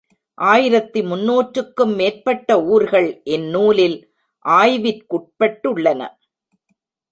ஆயிரத்து முந்நூற்றுக்கும் மேற்பட்ட ஊர்கள் இந்நூலில் ஆய்விற்குட்பட்டுள்ளன.